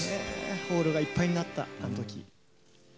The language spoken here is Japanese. ホールがいっぱいになったあの時。